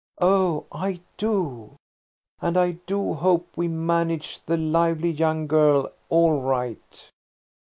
"Oh, I do! And I do hope we manage the lively young girl all right."